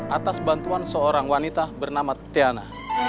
atas bantuan seorang wanita bernama tiana